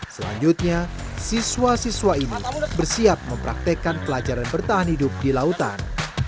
selanjutnya siswa siswa ini bersiap mempraktekan pelajaran bertahan hidup di lautan